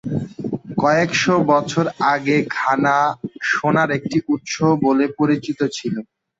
কয়েকশ বছর আগে ঘানা সোনার একটি উৎস বলে পরিচিত ছিল।